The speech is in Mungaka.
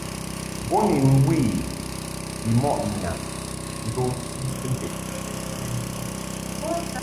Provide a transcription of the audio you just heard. Bo ni mwe bimɔʼ ŋyam nto mfi kɨnted.